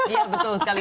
iya betul sekali